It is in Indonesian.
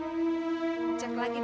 mendingan belanja deh